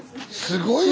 すごい！